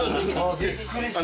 びっくりした。